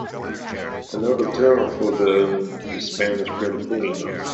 Another term for them is Spanish Filipino.